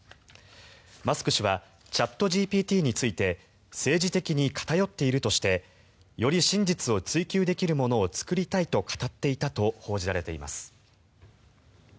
マスク氏はチャットＧＰＴについて政治的に偏っているとしてより真実を追求できるものを作りたいと語っていたと報じられています。